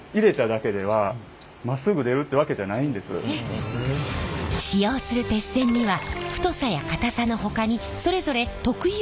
鉄線って使用する鉄線には太さや硬さのほかにそれぞれ特有のクセがあります。